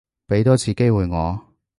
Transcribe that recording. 畀多次機會我